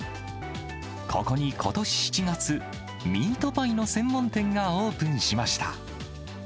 ここにことし７月、ミートパイの専門店がオープンしました。